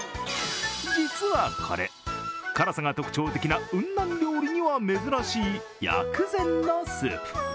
実はこれ、辛さが特徴的な雲南料理には珍しい薬膳のスープ。